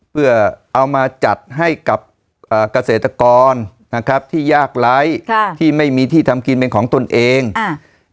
เพื่อเอามาจัดให้กับอ่าเกษตรกรนะครับที่ยากไร้ค่ะที่ไม่มีที่ทำกินเป็นของตนเองอ่า